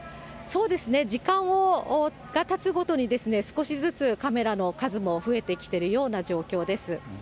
そうですね、時間がたつごとに、少しずつカメラの数も増えてきてるような状況です。